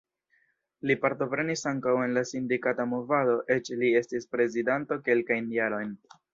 Li partoprenis ankaŭ en la sindikata movado, eĉ li estis prezidanto kelkajn jarojn.